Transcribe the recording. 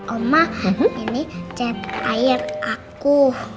oma ini cap air aku